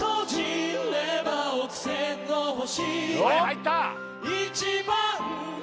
入った！